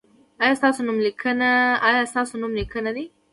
ایا ستاسو نوم نیک نه دی؟